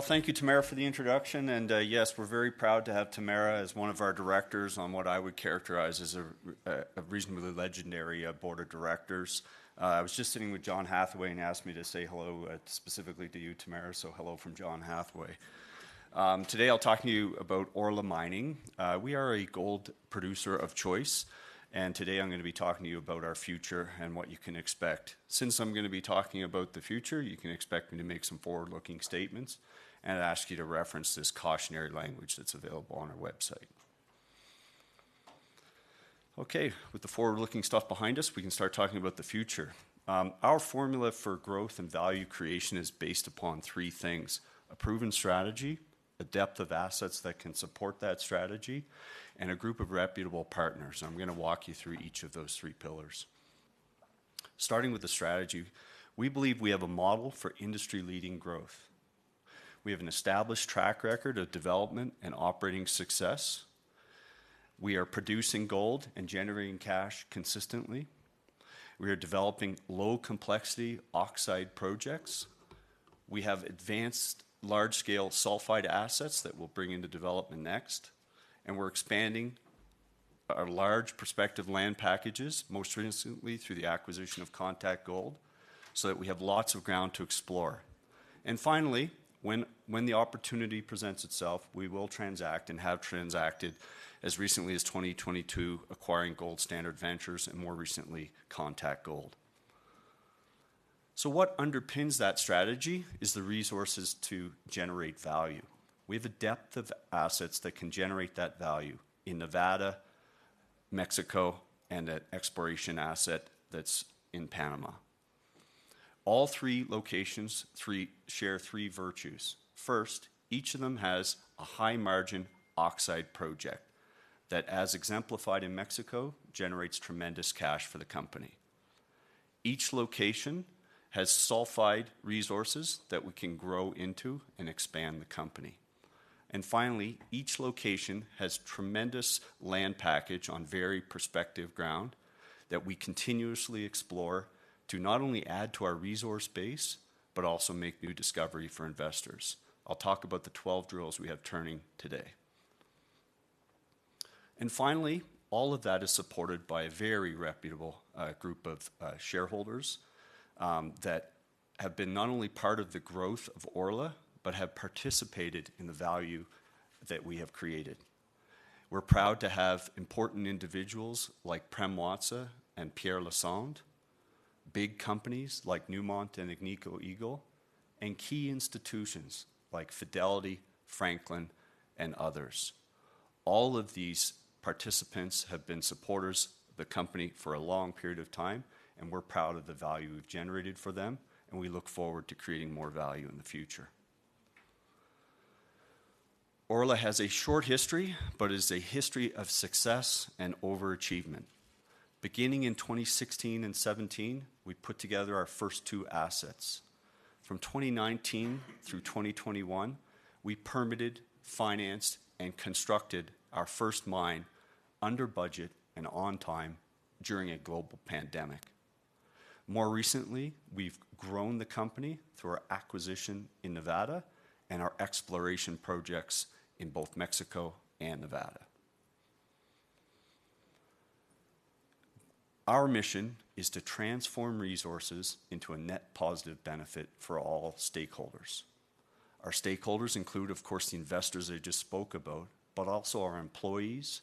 Thank you, Tamara, for the introduction. Yes, we're very proud to have Tamara as one of our directors on what I would characterize as a reasonably legendary Board of Directors. I was just sitting with John Hathaway, and he asked me to say hello specifically to you, Tamara, so hello from John Hathaway. Today, I'll talk to you about Orla Mining. We are a gold producer of choice, and today I'm gonna be talking to you about our future and what you can expect. Since I'm gonna be talking about the future, you can expect me to make some forward-looking statements and ask you to reference this cautionary language that's available on our website. Okay, with the forward-looking stuff behind us, we can start talking about the future. Our formula for growth and value creation is based upon three things: a proven strategy, a depth of assets that can support that strategy, and a group of reputable partners. I'm gonna walk you through each of those three pillars. Starting with the strategy, we believe we have a model for industry-leading growth. We have an established track record of development and operating success. We are producing gold and generating cash consistently. We are developing low-complexity oxide projects. We have advanced large-scale sulfide assets that we'll bring into development next, and we're expanding our large prospective land packages, most recently through the acquisition of Contact Gold, so that we have lots of ground to explore. And finally, when the opportunity presents itself, we will transact and have transacted as recently as 2022, acquiring Gold Standard Ventures and, more recently, Contact Gold. So what underpins that strategy is the resources to generate value. We have a depth of assets that can generate that value in Nevada, Mexico, and an exploration asset that's in Panama. All three locations share three virtues. First, each of them has a high-margin oxide project that, as exemplified in Mexico, generates tremendous cash for the company. Each location has sulfide resources that we can grow into and expand the company. And finally, each location has tremendous land package on very prospective ground that we continuously explore to not only add to our resource base, but also make new discovery for investors. I'll talk about the 12 drills we have turning today. And finally, all of that is supported by a very reputable group of shareholders that have been not only part of the growth of Orla, but have participated in the value that we have created. We're proud to have important individuals like Prem Watsa and Pierre Lassonde, big companies like Newmont and Agnico Eagle, and key institutions like Fidelity, Franklin, and others. All of these participants have been supporters of the company for a long period of time, and we're proud of the value we've generated for them, and we look forward to creating more value in the future. Orla has a short history, but it is a history of success and overachievement. Beginning in 2016 and 2017, we put together our first two assets. From 2019 through 2021, we permitted, financed, and constructed our first mine under budget and on time during a global pandemic. More recently, we've grown the company through our acquisition in Nevada and our exploration projects in both Mexico and Nevada. Our mission is to transform resources into a net positive benefit for all stakeholders. Our stakeholders include, of course, the investors I just spoke about, but also our employees,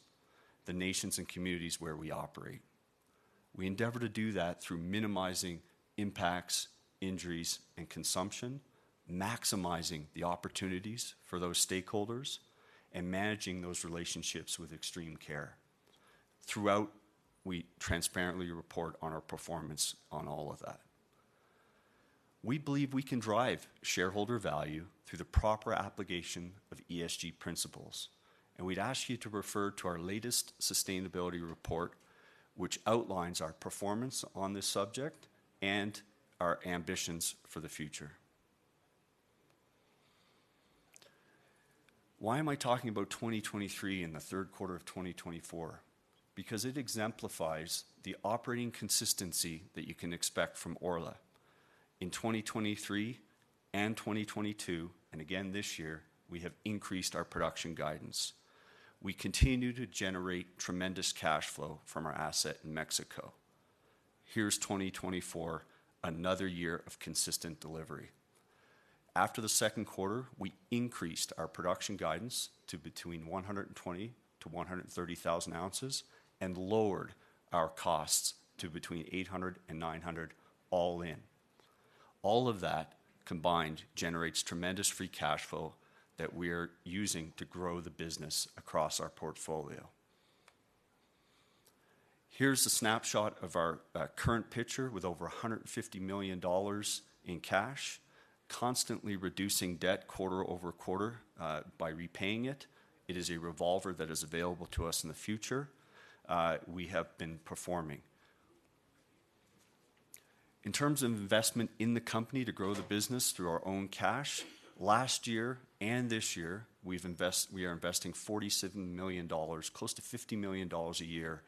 the nations and communities where we operate. We endeavor to do that through minimizing impacts, injuries, and consumption, maximizing the opportunities for those stakeholders, and managing those relationships with extreme care. Throughout, we transparently report on our performance on all of that. We believe we can drive shareholder value through the proper application of ESG principles, and we'd ask you to refer to our latest sustainability report, which outlines our performance on this subject and our ambitions for the future. Why am I talking about 2023 and the third quarter of 2024? Because it exemplifies the operating consistency that you can expect from Orla. In 2023 and 2022, and again this year, we have increased our production guidance. We continue to generate tremendous cash flow from our asset in Mexico. Here's 2024, another year of consistent delivery. After the second quarter, we increased our production guidance to between 120 to 130 thousand ounces and lowered our costs to between $800 and $900, all in. All of that combined generates tremendous free cash flow that we're using to grow the business across our portfolio. Here's a snapshot of our current picture with over $150 million in cash, constantly reducing debt quarter over quarter by repaying it. It is a revolver that is available to us in the future. We have been performing. In terms of investment in the company to grow the business through our own cash, last year and this year, we are investing $47 million, close to $50 million a year,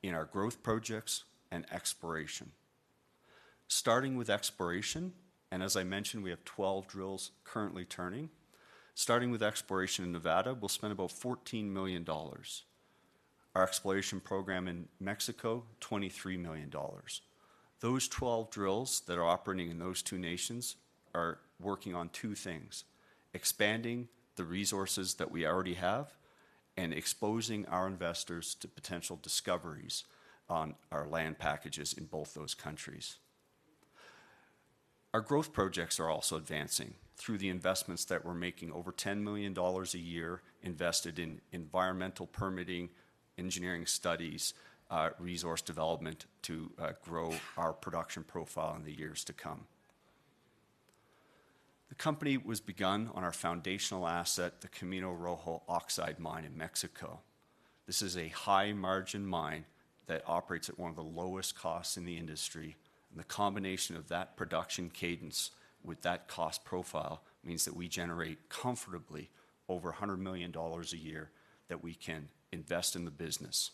in our growth projects and exploration. Starting with exploration, and as I mentioned, we have 12 drills currently turning. Starting with exploration in Nevada, we'll spend about $14 million. Our exploration program in Mexico, $23 million. Those 12 drills that are operating in those two nations are working on two things: expanding the resources that we already have and exposing our investors to potential discoveries on our land packages in both those countries. Our growth projects are also advancing through the investments that we're making, over $10 million a year invested in environmental permitting, engineering studies, resource development to grow our production profile in the years to come. The company was begun on our foundational asset, the Camino Rojo oxide mine in Mexico. This is a high-margin mine that operates at one of the lowest costs in the industry, and the combination of that production cadence with that cost profile means that we generate comfortably over $100 million a year that we can invest in the business.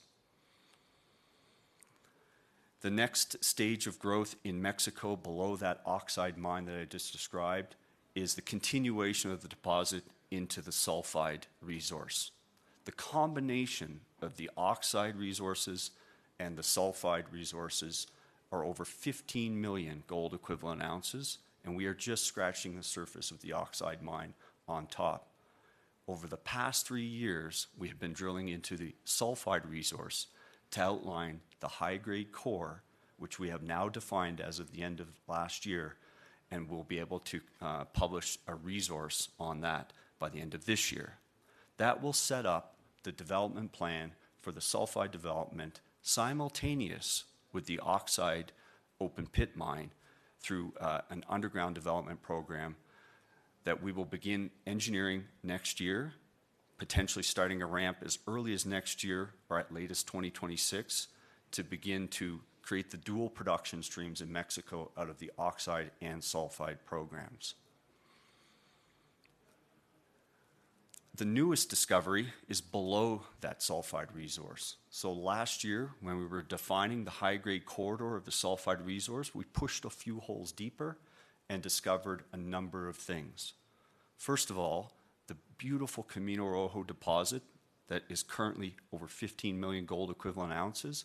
The next stage of growth in Mexico, below that oxide mine that I just described, is the continuation of the deposit into the sulfide resource. The combination of the oxide resources and the sulfide resources are over fifteen million gold equivalent ounces, and we are just scratching the surface of the oxide mine on top. Over the past three years, we have been drilling into the sulfide resource to outline the high-grade core, which we have now defined as of the end of last year, and we'll be able to publish a resource on that by the end of this year. That will set up the development plan for the sulfide development, simultaneous with the oxide open-pit mine, through an underground development program that we will begin engineering next year, potentially starting a ramp as early as next year or at latest 2026, to begin to create the dual production streams in Mexico out of the oxide and sulfide programs. The newest discovery is below that sulfide resource. So last year, when we were defining the high-grade corridor of the sulfide resource, we pushed a few holes deeper and discovered a number of things. First of all, the beautiful Camino Rojo deposit that is currently over 15 million gold equivalent ounces,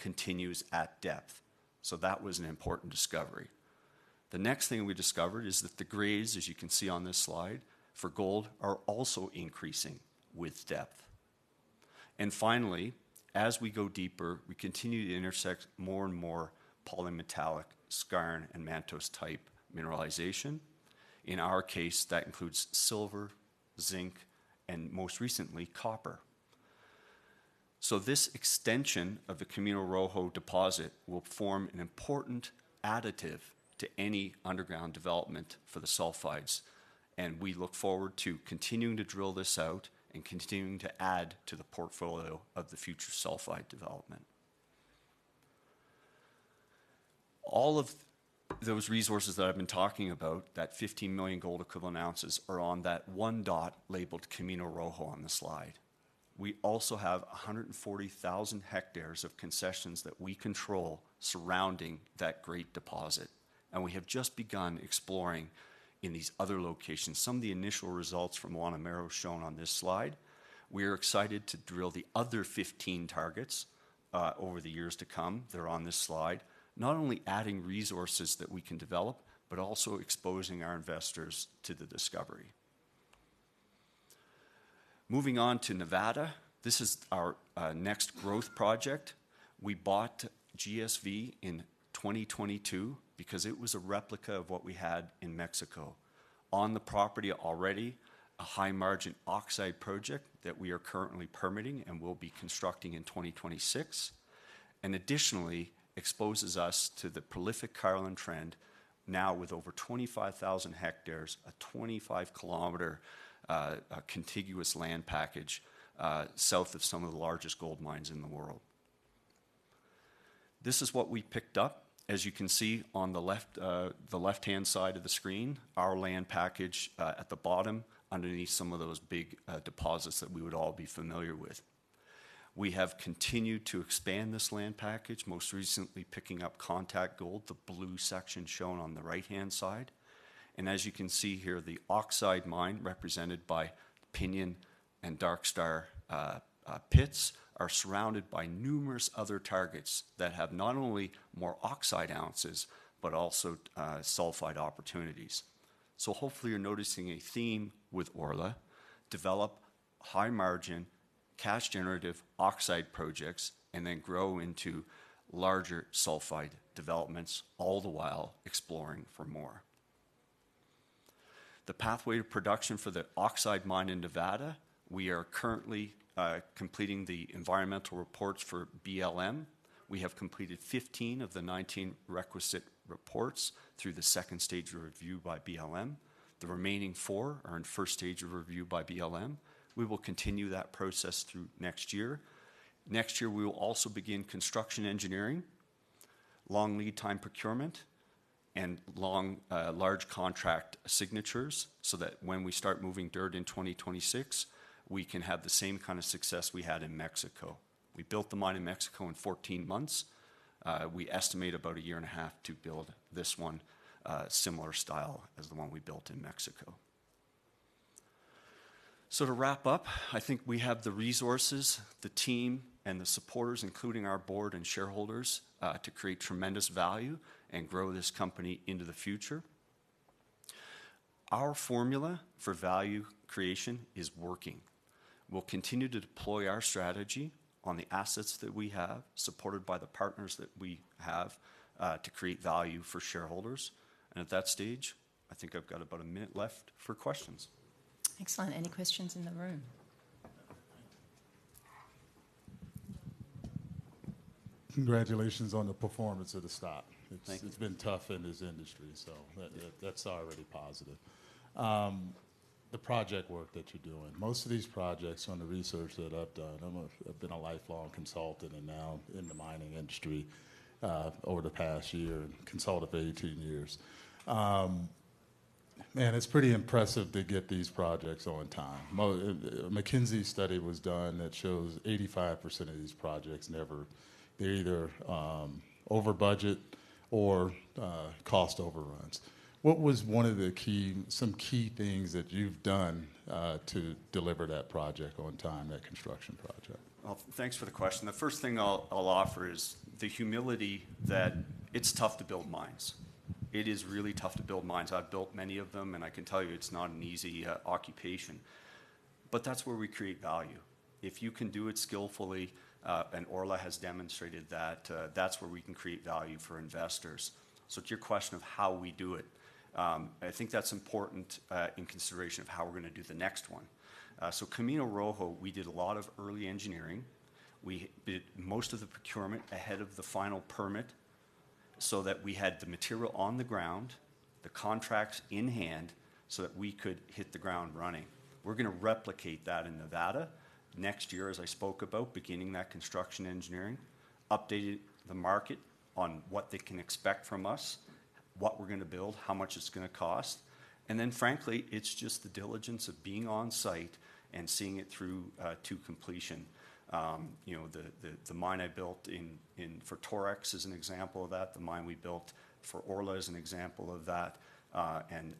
continues at depth, so that was an important discovery. The next thing we discovered is that the grades, as you can see on this slide, for gold are also increasing with depth. Finally, as we go deeper, we continue to intersect more and more polymetallic skarn and mantos-type mineralization. In our case, that includes silver, zinc, and most recently, copper. This extension of the Camino Rojo deposit will form an important additive to any underground development for the sulfides, and we look forward to continuing to drill this out and continuing to add to the portfolio of the future sulfide development. All of those resources that I've been talking about, that 15 million gold equivalent ounces, are on that one dot labeled Camino Rojo on the slide. We also have 140,000 hectares of concessions that we control surrounding that great deposit, and we have just begun exploring in these other locations. Some of the initial results from Guanamero shown on this slide. We are excited to drill the other 15 targets over the years to come that are on this slide. Not only adding resources that we can develop, but also exposing our investors to the discovery. Moving on to Nevada, this is our next growth project. We bought GSV in 2022 because it was a replica of what we had in Mexico. On the property already, a high-margin oxide project that we are currently permitting and will be constructing in 2026, and additionally, exposes us to the prolific Carlin Trend, now with over 25,000 hectares, a 25km contiguous land package south of some of the largest gold mines in the world. This is what we picked up. As you can see on the left, the left-hand side of the screen, our land package at the bottom, underneath some of those big deposits that we would all be familiar with. We have continued to expand this land package, most recently picking up Contact Gold, the blue section shown on the right-hand side. And as you can see here, the oxide mine, represented by Pinion and Dark Star pits, are surrounded by numerous other targets that have not only more oxide ounces, but also sulfide opportunities. So hopefully, you're noticing a theme with Orla: develop high-margin, cash-generative oxide projects, and then grow into larger sulfide developments, all the while exploring for more. The pathway to production for the oxide mine in Nevada, we are currently completing the environmental reports for BLM. We have completed fifteen of the nineteen requisite reports through the second stage of review by BLM. The remaining four are in first stage of review by BLM. We will continue that process through next year. Next year, we will also begin construction engineering, long lead time procurement.... and long, large contract signatures, so that when we start moving dirt in 2026, we can have the same kind of success we had in Mexico. We built the mine in Mexico in fourteen months. We estimate about a year and a half to build this one, similar style as the one we built in Mexico. So to wrap up, I think we have the resources, the team, and the supporters, including our board and shareholders, to create tremendous value and grow this company into the future. Our formula for value creation is working. We'll continue to deploy our strategy on the assets that we have, supported by the partners that we have, to create value for shareholders. And at that stage, I think I've got about a minute left for questions. Excellent. Any questions in the room? Congratulations on the performance of the stock. Thank you. It's, it's been tough in this industry, so that, that's already positive. The project work that you're doing, most of these projects, on the research that I've done, I've been a lifelong consultant and now in the mining industry, over the past year, and consultant for 18 years. Man, it's pretty impressive to get these projects on time. McKinsey study was done that shows 85% of these projects never. They're either over budget or cost overruns. What was one of the key, some key things that you've done to deliver that project on time, that construction project? Well, thanks for the question. The first thing I'll offer is the humility that it's tough to build mines. It is really tough to build mines. I've built many of them, and I can tell you it's not an easy occupation, but that's where we create value. If you can do it skillfully, and Orla has demonstrated that, that's where we can create value for investors. So to your question of how we do it, I think that's important, in consideration of how we're gonna do the next one. So Camino Rojo, we did a lot of early engineering. We did most of the procurement ahead of the final permit so that we had the material on the ground, the contracts in hand, so that we could hit the ground running. We're gonna replicate that in Nevada next year, as I spoke about, beginning that construction engineering, updated the market on what they can expect from us, what we're gonna build, how much it's gonna cost, and then frankly, it's just the diligence of being on-site and seeing it through to completion. You know, the mine I built in for Torex is an example of that. The mine we built for Orla is an example of that. And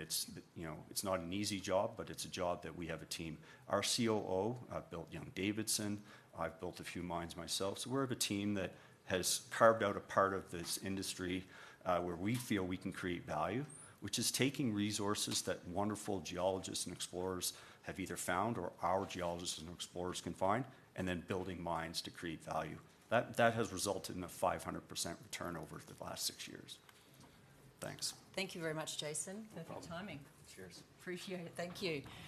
it's, you know, it's not an easy job, but it's a job that we have a team. Our COO built Young-Davidson. I've built a few mines myself. So we're of a team that has carved out a part of this industry, where we feel we can create value, which is taking resources that wonderful geologists and explorers have either found or our geologists and explorers can find, and then building mines to create value. That has resulted in a 500% return over the last six years. Thanks. Thank you very much, Jason. No problem. Perfect timing. Cheers. Appreciate it. Thank you.